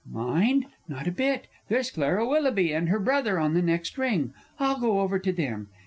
Mind? Not a bit! There's Clara Willoughby and her brother on the next ring, I'll go over to them.